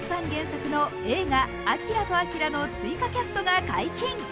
原作の映画「アキラとあきら」の追加キャストが解禁。